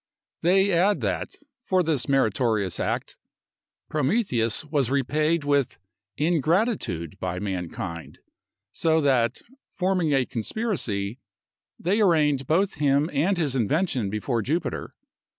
They add that, for this meritorious act, Prometheus was repayed with ingratitude by mankind, so that, forming a conspiracy, they arraigned both him and his invention before Jupiter.